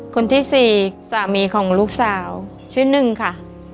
คนที่สี่สามีของลูกสาวชื่อหนึ่งค่ะ